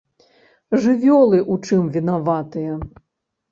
Жывёлы ў чым вінаватыя.